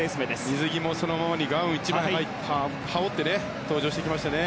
水着もそのままにガウン１枚羽織って登場してきましたね。